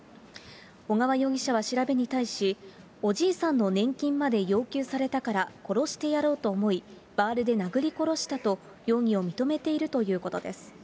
小川容疑者は調べに対し、おじいさんの年金まで要求されたから殺してやろうと思い、バールで殴り殺したと容疑を認めているということです。